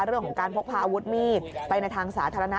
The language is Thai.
เรื่องของการพกพาอาวุธมีดไปในทางสาธารณะ